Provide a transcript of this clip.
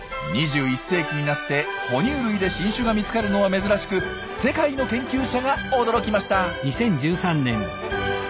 ２１世紀になって哺乳類で新種が見つかるのは珍しく世界の研究者が驚きました。